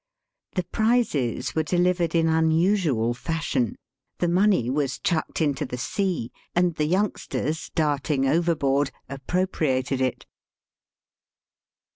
The prizes were dehvered in unusual fashion. The money was chucked into the sea, and the youngsters darting overboard appropriated it.